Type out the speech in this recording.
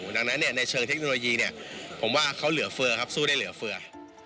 ดังนั้นในเชิงเทคโนโลยีเนี่ยผมว่าเขาเหลือเฟือครับสู้ได้เหลือเฟือ